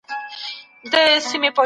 عالم تاته قناعت درکولای سي.